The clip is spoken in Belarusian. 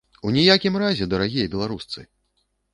У ніякім разе, дарагія беларусцы!